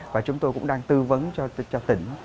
và chúng tôi cũng đang tư vấn cho tỉnh